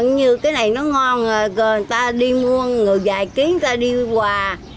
như cái này nó ngon người ta đi mua người dài kiếng người ta đi quà